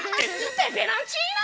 ペペロンチーノ！